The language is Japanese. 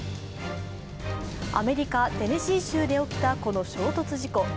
アメリカ・テネシー州で起きたこの衝突事故。